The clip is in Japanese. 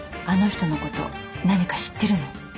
あの人のこと何か知ってるの？